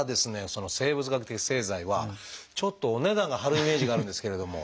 その生物学的製剤はちょっとお値段が張るイメージがあるんですけれども。